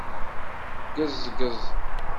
Ggezgez.